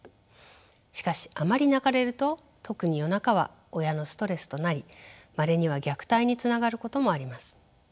しかしあまり泣かれると特に夜中は親のストレスとなりまれには虐待につながることもあります。